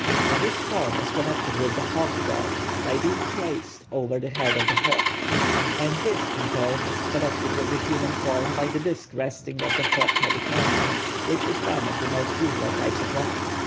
This disk form is connected with the hawk god, by being placed over the head of the hawk; and this in turn is connected with the human form by the disc resting on the hawk headed man, which is one of the most usual types of Ra.